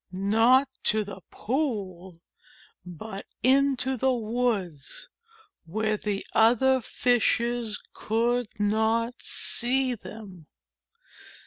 Not to the pool, but into the woods where the other Fishes could not see them.